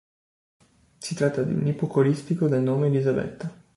Si tratta di un ipocoristico del nome Elisabetta.